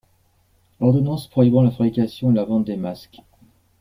Ordonnance prohibant la fabrication et la vente des masques.